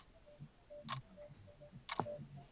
Oh, there are a lot more cherry-trees all in bloom!